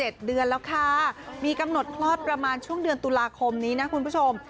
ตั้ง๗เดือนแล้วค่ะมีกำหนดพล็อตประมาณช่วงเดือนตุลาคมนี้นะคุณผู้ชม